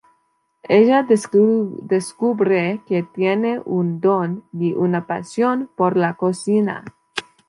Ella descubre que tiene un don y una pasión por la cocina.